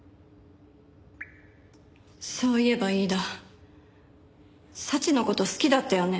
そういえば飯田早智の事好きだったよね？